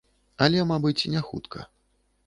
Але, мабыць, не хутка.